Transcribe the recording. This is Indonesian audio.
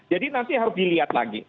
jadi nanti harus dilihat lagi